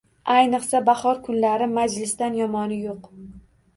Ayniqsa bahor kunlari majlisdan yomoni yo‘q!